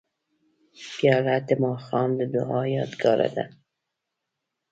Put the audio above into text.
پیاله د ماښام د دعا یادګار ده.